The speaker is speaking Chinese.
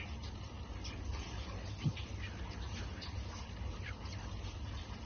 近年一日平均上下车人次的推移如下表。